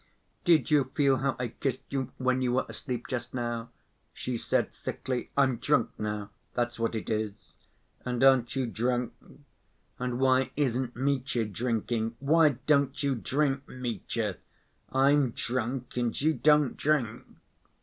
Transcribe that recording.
"Did you feel how I kissed you when you were asleep just now?" she said thickly. "I'm drunk now, that's what it is.... And aren't you drunk? And why isn't Mitya drinking? Why don't you drink, Mitya? I'm drunk, and you don't drink...."